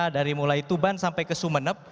dari mulai tuban sampai ke sumeneb